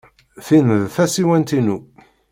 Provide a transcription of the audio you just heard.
Tin d tasiwant-inu.